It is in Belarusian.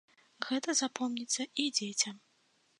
Гэта запомніцца і дзецям.